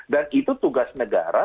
dan itu tugas negara